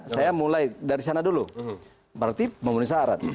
saya mulai dari sana dulu berarti memenuhi syarat